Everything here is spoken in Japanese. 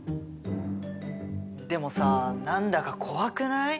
でもさあ何だか怖くない？